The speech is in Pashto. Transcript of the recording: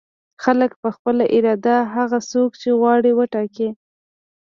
خلک په خپله اراده هغه څوک چې غواړي وټاکي.